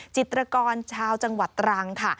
จิตรกรชาวจังหวัดตรังค่ะ